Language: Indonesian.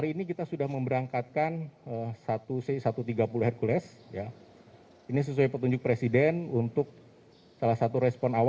ini dari berbagai satuan